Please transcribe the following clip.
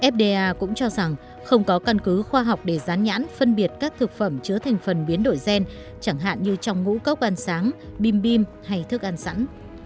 fda cũng cho rằng không có căn cứ khoa học để rán nhãn phân biệt các thực phẩm chứa thành phần biến đổi gen chẳng hạn như trong ngũ cốc ăn sáng bim bim hay thức ăn sẵn